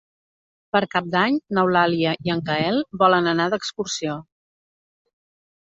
Per Cap d'Any n'Eulàlia i en Gaël volen anar d'excursió.